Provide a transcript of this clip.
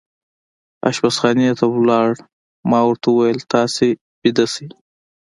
اشپزخانې ته ولاړ، ما ورته وویل: تاسې ویده شئ.